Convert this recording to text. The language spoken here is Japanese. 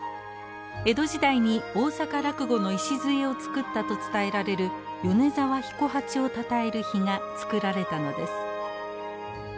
江戸時代に大阪落語の礎を作ったと伝えられる米澤彦八をたたえる碑が作られたのです。